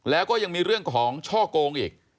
แล้วก็ยังมีเรื่องของช่อโกงอีก